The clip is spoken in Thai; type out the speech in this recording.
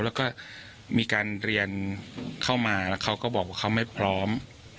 แล้วก็มีการเรียนเข้ามาแล้วเขาก็บอกว่าเขาไม่พร้อม